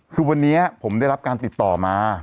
คือวันนี้ผมได้รับการติดต่อมา